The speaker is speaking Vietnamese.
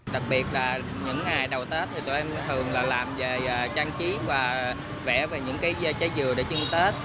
đặc biệt là những ngày đầu tết thì tụi em thường là làm về trang trí và vẽ về những cái trái dừa để chưng tết